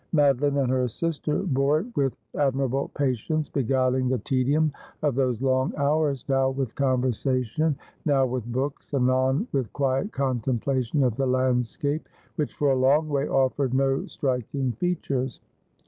Madoline and her sister bore it with admir able patience, beguiling the tedium of those long hours now with conversation, now with books, anon with quiet coiiteinplation of the landscape, which for n, long way offered no striking fea tures.